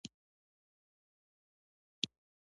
د طالبانو جنګي او چریکي وجود په معجونو باندې تداوي شي.